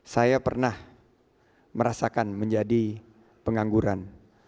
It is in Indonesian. saya pernah merasakan menjadi pengangguran